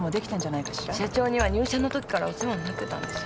社長には入社のときからお世話になってたんです。